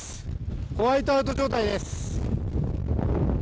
ホワイトアウト状態です。